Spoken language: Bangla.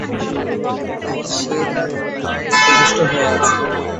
নাকি সে তার ঘোড়ায় উপবিষ্ট হয়ে আছে?